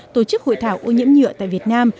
tổ chức hội thảo ô nhiễm nhựa tại việt nam